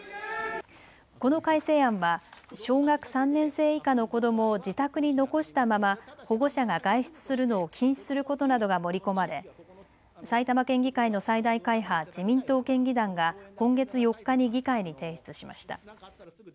この改正案は小学３年生以下の子どもを自宅に残したまま保護者が外出するのを禁止することなどが盛り込まれ埼玉県議会の最大会派自民党県議団が今月４日に議会に提出しました。